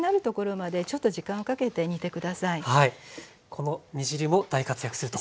この煮汁も大活躍すると。